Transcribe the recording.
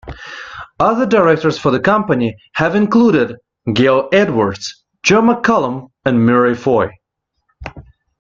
Other directors for the company have included Gale Edwards, Joe McCallum, and Murray Foy.